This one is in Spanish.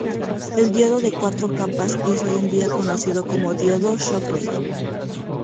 El diodo de cuatro capas es hoy en día conocido como diodo Shockley.